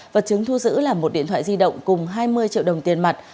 vật chứng thu giữ là một điện thoại di động cùng hai mươi triệu đồng tiền mặt